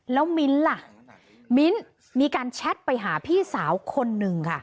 แล้วมิ้นท์ล่ะมิ้นมีการแชทไปหาพี่สาวคนหนึ่งค่ะ